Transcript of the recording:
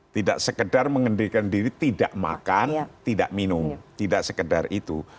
tidak sekedar mengendalikan diri tidak makan tidak minum tidak sekedar itu